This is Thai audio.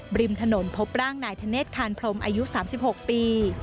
ริมถนนพบร่างนายธเนธคานพรมอายุ๓๖ปี